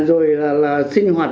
rồi là sinh hoạt